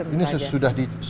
ini sudah dicacah cacah